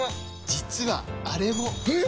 実はあれも！え！？